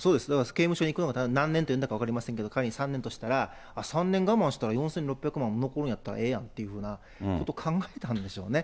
刑務所に行くのが何年か分かりませんけれども、仮に３年としたら、３年我慢したら４６００万残るんやったら、ええやんっていうことを思ったんでしょうね。